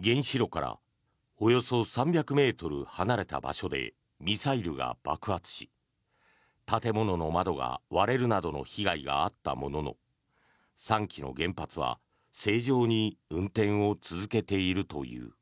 原子炉からおよそ３００ｍ離れた場所でミサイルが爆発し建物の窓が割れるなどの被害があったものの３基の原発は正常に運転を続けているという。